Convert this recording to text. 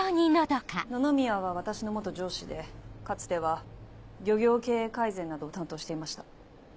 野々宮は私の上司でかつては漁業経営改善などを担当していました。